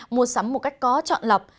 mua sắm một cách có chọn lập